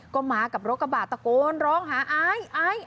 ก็มากับรถกระบะตะโกนร้องหาไอซ์